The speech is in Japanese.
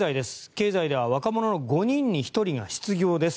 経済では若者の５人に１人が失業です。